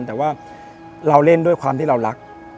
แต่ว่าเราเล่นด้วยความที่เรารัก